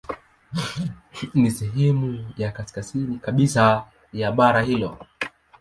Ni sehemu ya kaskazini kabisa ya bara hilo.